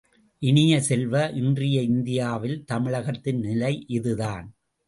இனிய செல்வ, இன்றைய இந்தியாவில் தமிழகத்தின் நிலை இதுதான்.